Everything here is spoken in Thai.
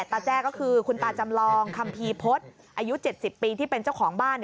แจ้ก็คือคุณตาจำลองคัมภีร์พฤษอายุ๗๐ปีที่เป็นเจ้าของบ้าน